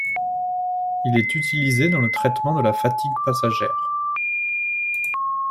Il est utilisé dans le traitement de la fatigue passagère.